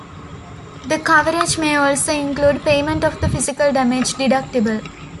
The coverage may also include payment of the physical damage deductible.